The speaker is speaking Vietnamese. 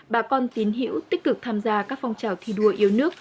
bà con tín hiểu tích cực tham gia các phong trào thi đua yêu nước